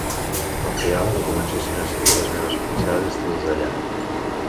Confiava que comencessin a seguir les meves petjades des d'allà.